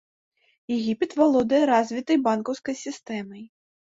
Егіпет валодае развітай банкаўскай сістэмай.